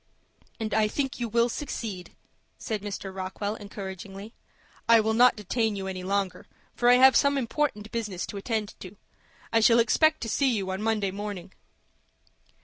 "And I think you will succeed," said Mr. Rockwell, encouragingly. "I will not detain you any longer, for I have some important business to attend to. I shall expect to see you on Monday morning."